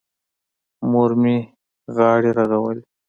مور مې غاړې رغولې.